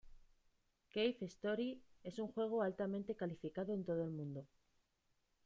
Cave Story es un juego altamente calificado en todo el mundo.